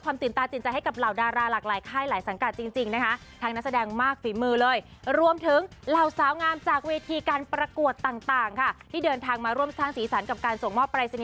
คุณตาอะไรอย่างงี้ครับคุณแม่อะไรอย่างงี้ค่ะ